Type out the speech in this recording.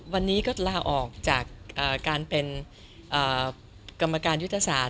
วันนี้ก็ลาออกจากการเป็นกรรมการยุทธศาสต